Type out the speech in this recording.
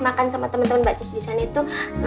makan sama temen temen mbak cis disana itu